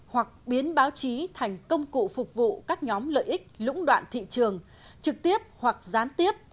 hoặc biến báo chí thành công cụ phục vụ các nhóm lợi ích lũng đoạn thị trường trực tiếp hoặc gián tiếp